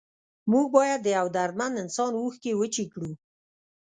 موږ باید د یو دردمند انسان اوښکې وچې کړو.